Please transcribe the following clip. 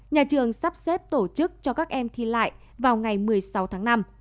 nhà trường sắp xếp tổ chức cho các em thi lại vào ngày một mươi sáu tháng năm